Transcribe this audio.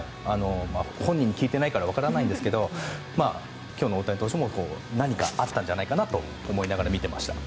本人に聞いていないから分からないんですが今日の大谷投手も何かあったんじゃないかなと思いながら見ていました。